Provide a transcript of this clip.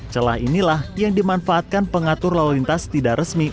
celah inilah yang dimanfaatkan pengatur lalu lintas tidak resmi